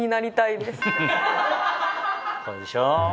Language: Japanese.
そうでしょ？